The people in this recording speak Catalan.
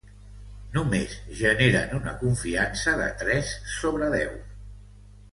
Només generen una confiança de tres sobre deu.